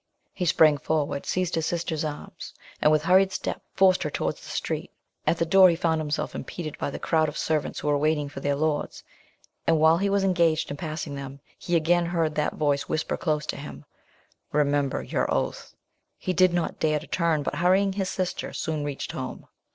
He sprang forward, seized his sister's arm, and, with hurried step, forced her towards the street: at the door he found himself impeded by the crowd of servants who were waiting for their lords; and while he was engaged in passing them, he again heard that voice whisper close to him "Remember your oath!" He did not dare to turn, but, hurrying his sister, soon reached home.